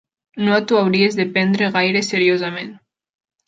No t'ho hauries de prendre gaire seriosament.